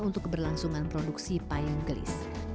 untuk keberlangsungan produksi payung gelis